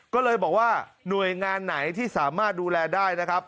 ก็เลยบอกว่าหน่วยงานไหนที่สามารถดูแลได้นะครับ